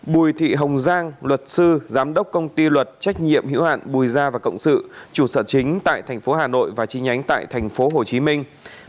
hai bùi thị hồng giang luật sư giám đốc công ty luật trách nhiệm hữu hạn bùi gia và cộng sự chủ sở chính tại tp hà nội và chi nhánh tại tp hồ chí minh